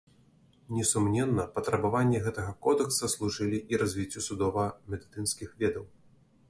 Несумненна, патрабаванні гэтага кодэкса служылі і развіццю судова-медыцынскіх ведаў.